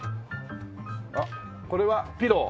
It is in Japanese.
あっこれはピロー。